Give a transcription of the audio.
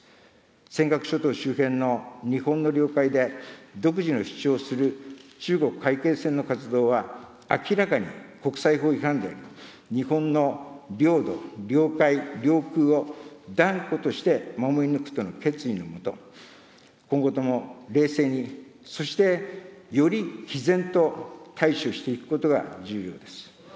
尖閣諸島周辺の日本の領海で独自の主張をする中国海警船の活動は、明らかに国際法違反であり、日本の領土・領海・領空を断固として守り抜くとの決意の下、今後とも冷静に、そしてよりきぜんと対処していくことが重要です。